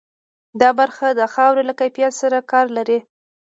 دا برخه د خاورې له کیفیت سره کار لري.